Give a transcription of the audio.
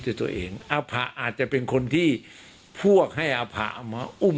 ด้วยตัวเองอภะอาจจะเป็นคนที่พวกให้อภะเอามาอุ้ม